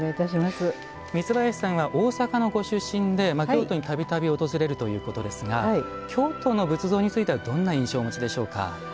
三林さんは大阪のご出身で京都にはたびたび訪れるということですが京都の仏像についてはどんな印象をお持ちでしょうか。